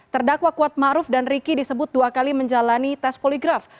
terdakwa kuatmaruf dan riki disebut dua kali menjalani tes poligraf